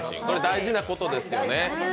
これ大事なことですよね。